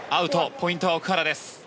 ポイントは奥原です。